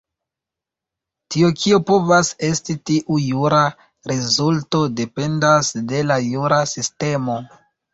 Tio, kio povas esti tiu jura rezulto, dependas de la jura sistemo.